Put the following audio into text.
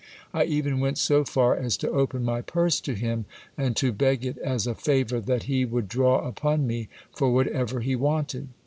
I even went so far as to open my purse to him, and to beg it as a favour that he would draw upon me for whatever he wanted.